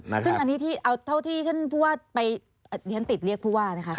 ซึ่งอันนี้เอาเท่าที่ท่านติดเรียกพูดว่า